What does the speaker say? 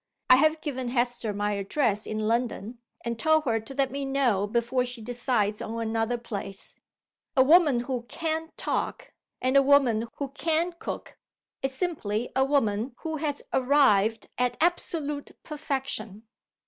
I have given Hester my address in London, and told her to let me know before she decides on another place. A woman who can't talk, and a woman who can cook, is simply a woman who has arrived at absolute perfection.